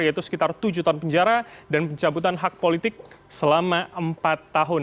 yaitu sekitar tujuh tahun penjara dan pencabutan hak politik selama empat tahun